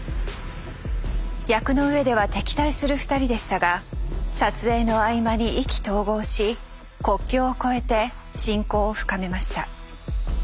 役の上では敵対する２人でしたが撮影の合間に意気投合し国境を超えて親交を深めました。